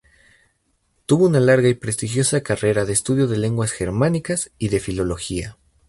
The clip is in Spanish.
Tuvo una larga y prestigiosa carrera de estudio de lenguas germánicas y de filología.